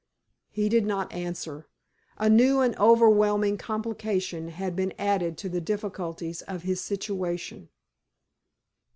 He did not answer. A new and overwhelming complication had been added to the difficulties of his situation.